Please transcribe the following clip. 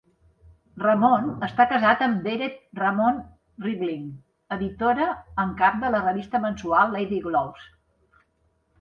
Ramon està casat amb Vered Ramon Rivlin, editora en cap de la revista mensual 'Lady Globes'.